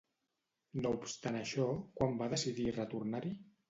No obstant això, quan va decidir retornar-hi?